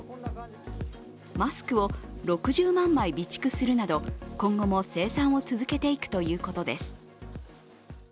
マスクを６０万枚備蓄するなど今後も生産を続けていくということです。